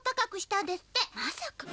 まさか！